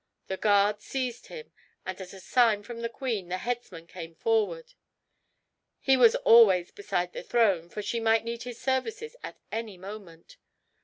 The guards seized him, and at a sign from the queen the headsman came forward. He was always beside the throne, for she might need his services at any moment.